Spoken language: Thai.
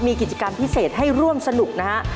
มีกิจกรรมพิเศษให้ร่วมสนุกนะฮะ